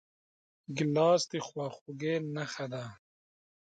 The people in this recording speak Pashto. ګیلاس د خواخوږۍ نښه ده.